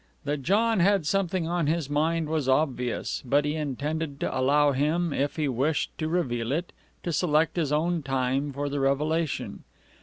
That John had something on his mind was obvious, but he intended to allow him, if he wished to reveal it, to select his own time for the revelation.